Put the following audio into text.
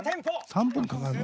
３分かかるの？